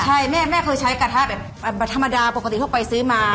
ใช่แม่เคยใช้กระทะแบบธรรมดาปกติเข้าไปซื้อมา